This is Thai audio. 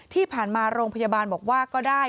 ที่ผ่านมาโรงพยาบาลบอกว่าก็ได้